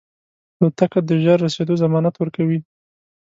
الوتکه د ژر رسېدو ضمانت ورکوي.